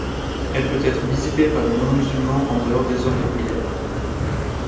Elle peut être visitée par les non musulmans en dehors des heures de prières.